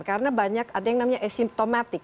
karena banyak ada yang namanya asymptomatic